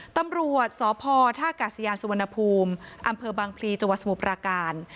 ตำรวจสพท่ากาศยานสุวรรณภูมิอำเภอบางพลีจังหวัดสมุทรปราการ